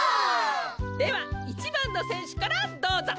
では１ばんのせんしゅからどうぞ！